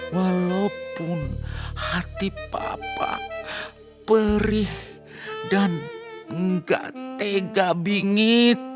walaupun hati papa perih dan enggak tega bingit